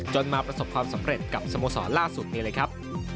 จนมาประสบความสำเร็จกับสโมทย์สอนล่าสุดไม่เลยครับ